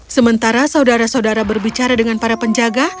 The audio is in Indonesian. sementara saudara saudara berbicara dengan para penjaga